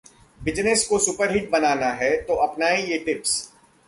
business को superhit बनाना है तो अपनाएं ये टिप्स...